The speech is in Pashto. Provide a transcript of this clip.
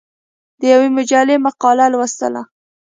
د یوې مجلې مقاله لوستله.